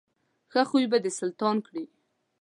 ښه خوی به دې سلطان کړي.